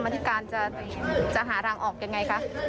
นามงานการที่จะหาทางออกเป็นอย่างไรคะ